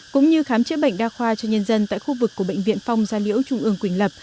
cũng như khám chữa bệnh đa khoa cho nhân dân tại khu vực của bệnh viện phong gia liễu trung ương quỳnh lập